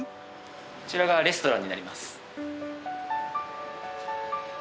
こちらがレストランになります。